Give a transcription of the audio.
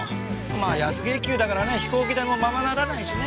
まあ安月給だからね飛行機代もままならないしね。